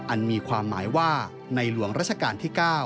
อันมีความหมายว่าในหลวงราชการที่๙